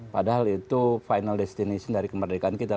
padahal itu final destination dari kemerdekaan kita